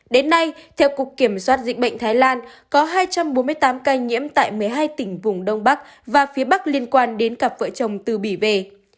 đến nay theo cục kiểm soát dịch bệnh thái lan có hai trăm bốn mươi tám ca nhiễm tại một mươi hai tỉnh vùng đông bắc và phía bắc liên quan đến cặp vợ chồng từ bỉ về